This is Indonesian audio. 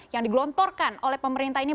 yang digelontorkan oleh pemerintah ini